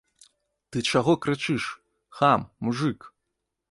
Ты чаго крычыш, хам, мужык?